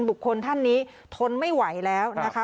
ท่านนี้ทนไม่ไหวแล้วนะคะ